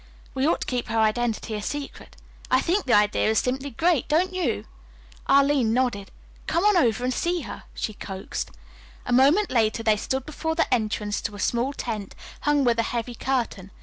We ought to keep her identity a secret. I think the idea is simply great, don't you?" Arline nodded. "Come on over and see her," she coaxed. A moment later they stood before the entrance to a small tent, hung with a heavy curtain.